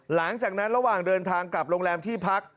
หลังจากนั้นระหว่างเดินทางกลับโรงแรมที่พัก